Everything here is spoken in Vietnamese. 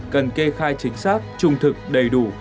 cần kê khai chính xác trung thực đầy đủ